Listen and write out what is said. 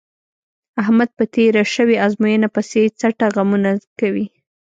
احمد په تېره شوې ازموینه پسې څټه غمونه کوي.